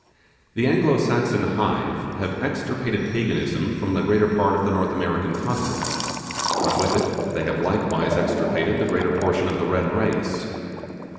The Anglo Saxon hive have extirpated Paganism from the greater part of the North American continent; but with it they have likewise extirpated the greater portion of the Red race.